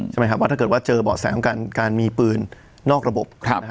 ว่าถ้าเกิดว่าเจอเบาะแสของการมีปืนนอกระบบ